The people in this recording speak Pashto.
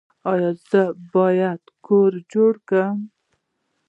ایا زه باید کور جوړ کړم؟